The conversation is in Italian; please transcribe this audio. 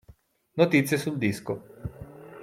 Notizie sul disco